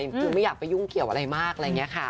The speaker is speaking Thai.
คือไม่อยากไปยุ่งเกี่ยวอะไรมากอะไรอย่างนี้ค่ะ